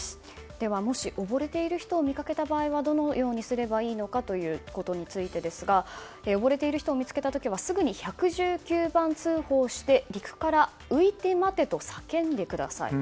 では、もし溺れている人を見かけた場合はどのようにすればいいのかということについてですが溺れている人を見つけた時はすぐに１１９番通報して陸から浮いて待てと叫んでください。